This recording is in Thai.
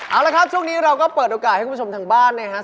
เอาละครับช่วงนี้เราก็เปิดโอกาสให้คุณผู้ชมทางบ้านนะครับ